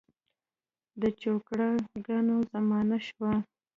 د چوکره ګانو زمانه شوه.